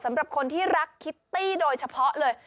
สำหรับคนที่รักคิตตี้โดยเฉพาะเลย